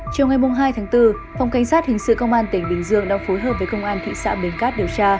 chiều ngày hai tháng bốn phòng cảnh sát hình sự công an tỉnh bình dương đã phối hợp với công an thị xã bến cát điều tra